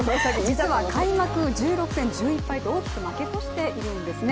実は開幕戦１６戦１１敗と大きく負け越しているんですね。